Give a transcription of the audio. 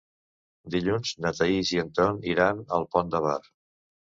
Dilluns na Thaís i en Ton iran al Pont de Bar.